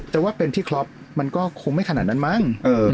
แต่ว่าเป็นที่คล็อปมันก็คงไม่ขนาดนั้นมั้ง